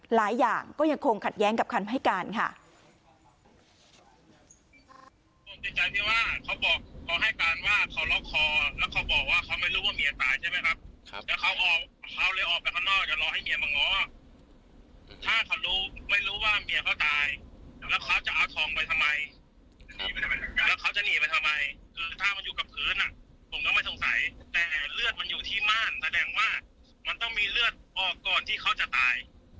หลายอย่างก็ยังคงขัดแย้งกับคำให้การค่ะ